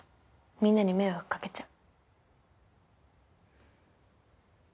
みんなに迷惑かけちゃう。